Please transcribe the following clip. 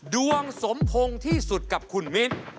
ดวงสมพงษ์ที่สุดกับคุณมิ้น